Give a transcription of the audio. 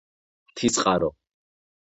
მთის წყარო